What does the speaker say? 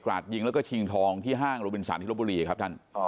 ราดยิงแล้วก็ชิงทองที่ห้างโรบินสารที่ลบบุรีครับท่าน